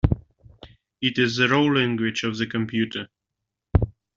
It is the raw language of the computer.